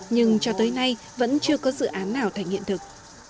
nhưng cho tới nay vẫn chưa có dự án nào thành hiện thực